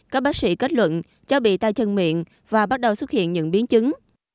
các bác sĩ kết luận cháu bị tay chân miệng và bắt đầu xuất hiện những biến chứng